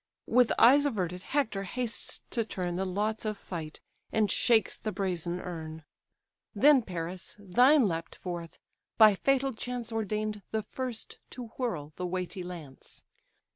With eyes averted Hector hastes to turn The lots of fight and shakes the brazen urn. Then, Paris, thine leap'd forth; by fatal chance Ordain'd the first to whirl the weighty lance.